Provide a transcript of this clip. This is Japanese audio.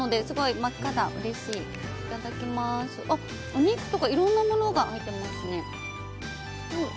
お肉とかいろんなものが入っていますね。